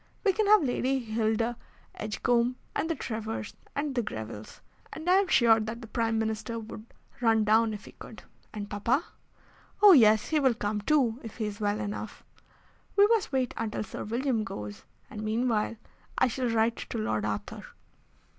We can have Lady Hilda Edgecombe, and the Trevors, and the Grevilles, and I am sure that the Prime Minister would run down if he could." "And papa?" "Oh, yes; he will come too, if he is well enough. We must wait until Sir William goes, and, meanwhile, I shall write to Lord Arthur."